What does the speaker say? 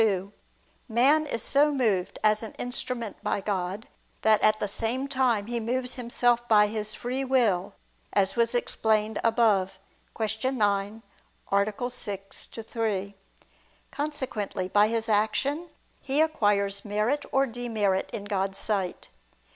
2: Man is so moved, as an instrument, by God, that, at the same time, he moves himself by his free will, as was explained above (Q. 9, A. 6, ad 3). Consequently, by his action, he acquires merit or demerit in God's sight.